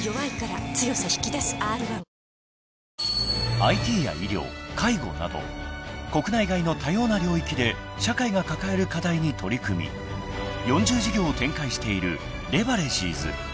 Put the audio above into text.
［ＩＴや医療介護など国内外の多様な領域で社会が抱える課題に取り組み４０事業を展開しているレバレジーズ］